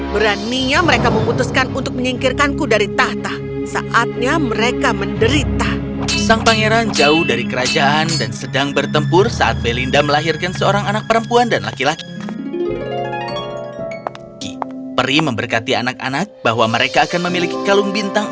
beraninya mereka memutuskan untuk menyingkirkanku dari tahta